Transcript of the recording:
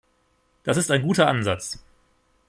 Das ist ein guter Ansatz.